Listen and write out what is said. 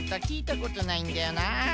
きいたことないんだよな。